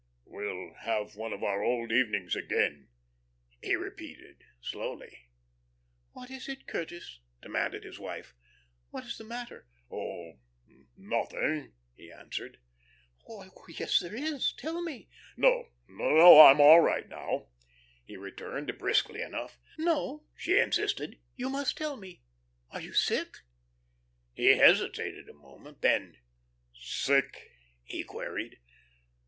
"We'll have one of our old evenings again," he repeated, slowly. "What is it, Curtis?" demanded his wife. "What is the matter?" "Oh nothing," he answered. "Why, yes there was. Tell me." "No, no. I'm all right now," he returned, briskly enough. "No," she insisted. "You must tell me. Are you sick?" He hesitated a moment. Then: "Sick?" he queried.